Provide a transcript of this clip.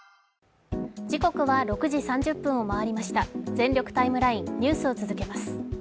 「全力ＴＩＭＥライン」ニュースを続けます。